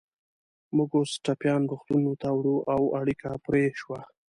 موږ اوس ټپیان روغتونونو ته وړو، او اړیکه پرې شوه.